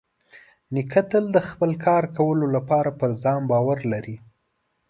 نیکه تل د خپل کار کولو لپاره په ځان باور لري.